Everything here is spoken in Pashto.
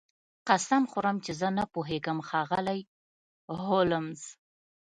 قسم خورم چې زه نه پوهیږم ښاغلی هولمز